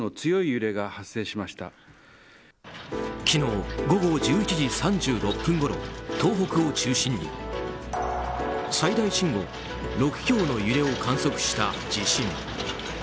昨日、午後１１時３６分ごろ東北を中心に最大震度６強の揺れを観測した地震。